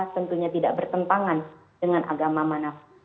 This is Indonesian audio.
tentunya tidak bertentangan dengan agama mana